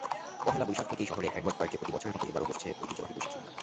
পয়লা বৈশাখ থেকেই শহরের এডওয়ার্ড পার্কে প্রতিবছরের মতো এবারও বসছে ঐতিহ্যবাহী বৈশাখী মেলা।